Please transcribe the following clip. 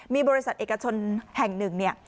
มีบริษัทเอกชนแห่งหนึ่งเนี่ย